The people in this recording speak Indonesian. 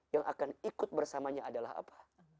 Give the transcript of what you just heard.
yang akan ikut bersamanya adalah apa